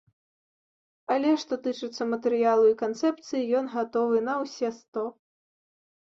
Але, што тычыцца матэрыялу і канцэпцыі, ён гатовы на ўсе сто!